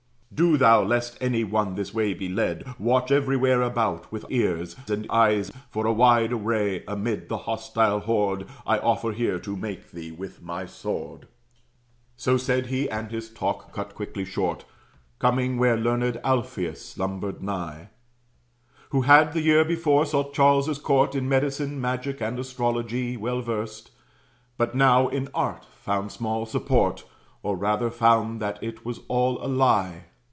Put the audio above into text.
Do thou, lest any one this way be led, Watch everywhere about, with ears and eyes; For a wide way, amid the hostile horde, I offer here to make thee with my sword." So said he, and his talk cut quickly short, Coming where learned Alpheus slumbered nigh; Who had the year before sought Charles's court, In med'cine, magic, and astrology Well versed: but now in art found small support, Or rather found that it was all a lie.